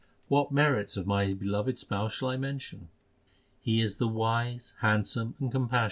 What merits of my beloved Spouse shall I mention ? He is the wise, handsome, and compassionate God.